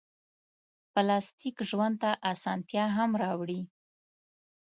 پلاستيک ژوند ته اسانتیا هم راوړي.